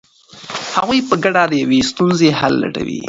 هغوی په ګډه د یوې ستونزې حل لټوي.